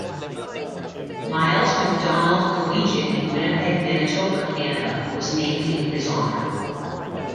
Miles Macdonell Collegiate in Winnipeg, Manitoba, Canada was named in his honour.